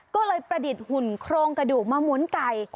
ก็เลยประดิษฐ์หุ่นโครงกระดูกมาหมุนไก่